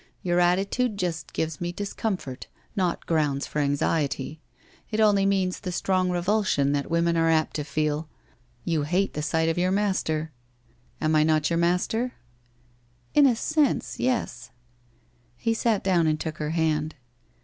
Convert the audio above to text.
Your atti tude just gives me discomfort, not grounds for anxiety. It only means the strong revulsion that women are apt to feel — you hate the sight of your master. Am I not your master ?'' In a sense — yes.' He sat down and took her hand.